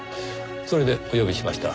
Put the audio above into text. それでお呼びしました。